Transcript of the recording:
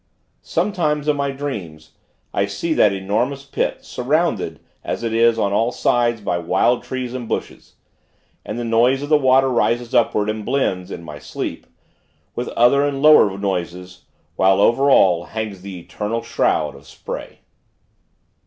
Sometimes, in my dreams, I see that enormous pit, surrounded, as it is, on all sides by wild trees and bushes. And the noise of the water rises upward, and blends in my sleep with other and lower noises; while, over all, hangs the eternal shroud of spray.